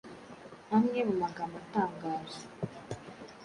Amwe mu magambo atangaje